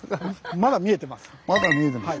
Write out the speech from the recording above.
まだ見えてます。